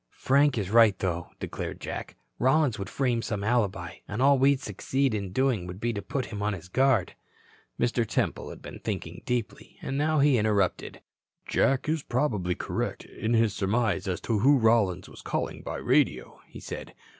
"Frank is right, though," declared Jack. "Rollins would frame some alibi, and all we'd succeed in doing would be to put him on his guard." Mr. Temple had been thinking deeply. Now he interrupted. "Jack is probably correct in his surmise as to who Rollins was calling by radio," he said.